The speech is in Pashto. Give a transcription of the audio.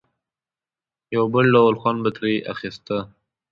یو بل ډول خوند به مې ترې اخیسته.